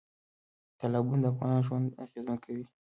تالابونه د افغانانو ژوند اغېزمن کوي.